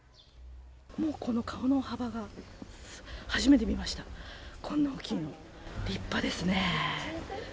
もうこの顔の幅が、初めて見ました、こんな大きいの、立派ですね。